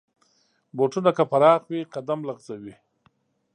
بوټونه که پراخ وي، قدم لغزوي.